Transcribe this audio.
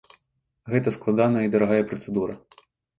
Гэта складаная і дарагая працэдура.